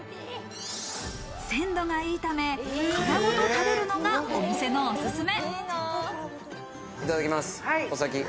鮮度が良いため殻ごと食べるのがお店のおすすめ。